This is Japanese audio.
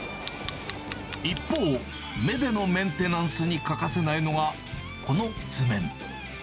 一方、目でのメンテナンスに欠かせないのが、この図面。